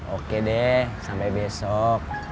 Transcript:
oke deh sampai besok